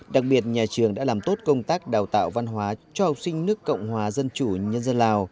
đặc biệt nhà trường đã làm tốt công tác đào tạo văn hóa cho học sinh nước cộng hòa dân chủ nhân dân lào